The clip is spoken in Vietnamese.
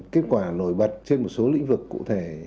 kết quả nổi bật trên một số lĩnh vực cụ thể